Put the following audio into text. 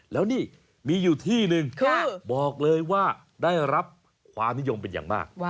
แล้วนี่มีอยู่ที่หนึ่งบอกเลยว่าได้รับความนิยมเป็นอย่างมาก